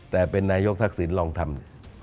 แต่เป็นนายกศักดิ์ศิลป์ลองทำ